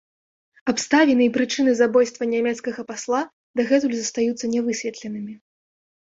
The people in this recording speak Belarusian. Абставіны і прычыны забойства нямецкага пасла дагэтуль застаюцца не высветленымі.